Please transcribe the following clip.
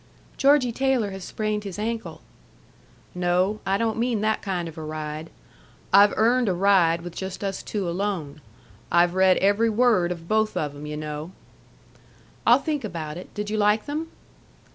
"Georgie Taylor has sprained his ankle." "No, I don't mean that kind of a ride. I've earned a ride with just us two alone. I've read every word of both of 'em, yu' know." "I'll think about it. Did you like them?"